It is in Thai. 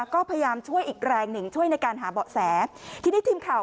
ก็พยายามช่วยอีกแรงหนึ่งช่วยในการหาเบาะแสทีนี้ทีมข่าว